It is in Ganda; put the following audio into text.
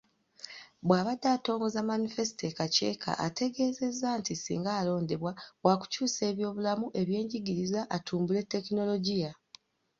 Bw'abadde atongoza Manifesito e Kakyeeka, ategeezezza nti singa alondebwa, waakukyusa ebyobulamu, eby'enjigiriza, atumbule tekinologiya.